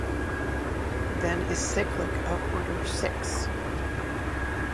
Then is cyclic of order six.